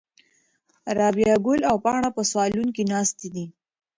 رابعه ګل او پاڼه په صالون کې ناستې دي.